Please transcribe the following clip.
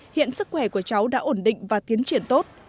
hiện sức khỏe của cháu đã ổn định và tiến triển tốt